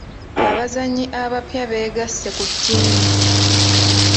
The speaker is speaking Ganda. abazannyi abapya beegasse ku ttiimu.